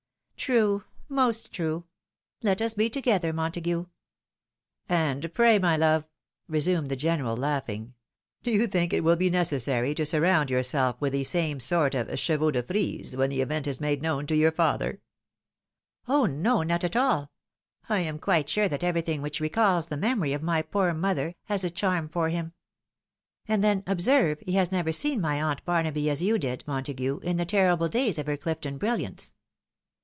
" True !— most true ! Let us be together, Montague !"" And pray, my love," resumed the general, laughing, "do you think it wiU be necessary to surround yourself with the same sort of chevaux de /rise when the event is made known to your father ?"" Oh ! no, not at all !— ^I am quite sure that everything which recalls the memory of my poor mother, has a charm for him. And then, observe, he has never seen my aunt Barnaby as you did, Montague, in the terrible days of her Clifton bril hanoe.